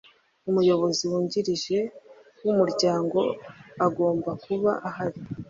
Umuyobozi wungirije w’umuryango agomba kuba ahari